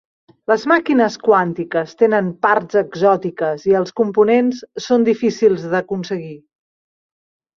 Les màquines quàntiques tenen parts exòtiques i els components són difícils d'aconseguir.